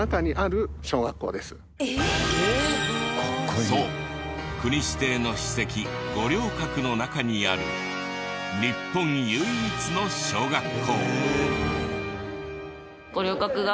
そう国指定の史跡五稜郭の中にある日本唯一の小学校。